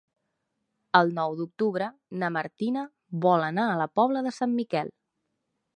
El nou d'octubre na Martina vol anar a la Pobla de Sant Miquel.